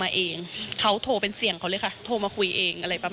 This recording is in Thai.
อ่าเดี๋ยวฟองดูนะครับไม่เคยพูดนะครับ